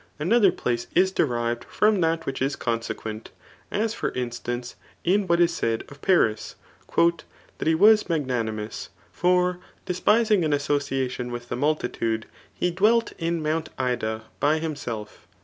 Another place is derived from that which is consequent ; as for instance, in what is said of Paris, *^ That he was mag« nanimous ; for, despising an association with the multi tude, he dwelt in mount Ida by himself."